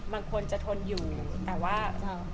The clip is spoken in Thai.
มันควรจะทนอยู่แต่ว่า